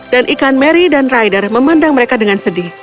dan ikan mary dan ryder memandang mereka dengan sedih